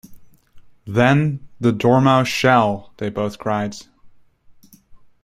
‘Then the Dormouse shall!’ they both cried.